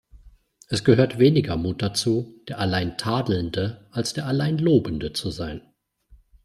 Es gehört weniger Mut dazu, der allein Tadelnde, als der allein Lobende zu sein.